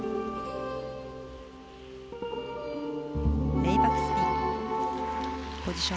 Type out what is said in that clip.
レイバックスピン。